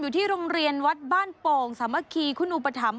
อยู่ที่โรงเรียนวัดบ้านโป่งสามะคีคุณูปฐำ